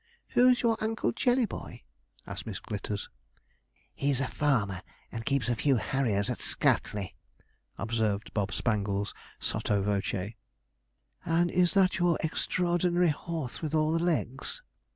'Who's your Uncle Jellyboy?' asked Miss Glitters. 'He's a farmer, and keeps a few harriers at Scutley,' observed Bob Spangles, sotto voce. 'And is that your extraordinary horse with all the legs?'